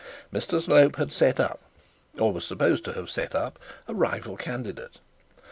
Mr Slope had set up, or was supposed to have set up, a rival candidate.